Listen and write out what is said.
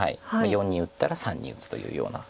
④に打ったら③に打つというような。